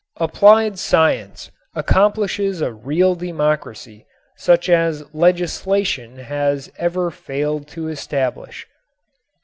Applied science accomplishes a real democracy such as legislation has ever failed to establish.